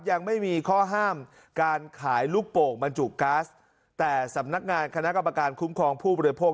ยังไม่มีข้อห้ามการขายลูกโป่งบรรจุก๊าซแต่สำนักงานคณะกรรมการคุ้มครองผู้บริโภค